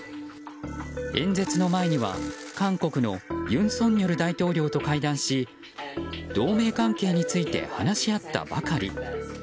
演説の前には韓国の尹錫悦大統領と会談し同盟関係について話し合ったばかり。